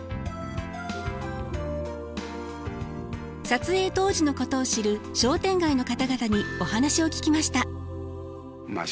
撮影当時のことを知る商店街の方々にお話を聞きました。